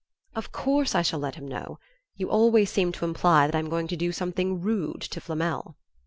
"Of course I shall let him know. You always seem to imply that I'm going to do something rude to Flamel."